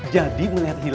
jadi melihat hilal